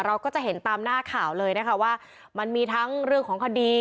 เราก็จะเห็นตามหน้าข่าวเลยนะคะว่ามันมีทั้งเรื่องของคดี